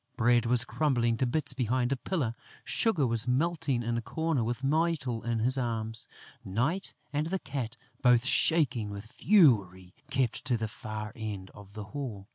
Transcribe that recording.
Bread was crumbling to bits behind a pillar; Sugar was melting in a corner with Mytyl in his arms; Night and the Cat, both shaking with fury, kept to the far end of the hall.